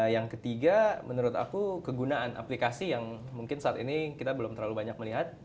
yang ketiga menurut aku kegunaan aplikasi yang mungkin saat ini kita belum terlalu banyak melihat